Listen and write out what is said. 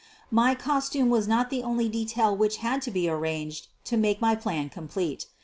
My costume was not the only detail which had to be arranged to make my plan complete.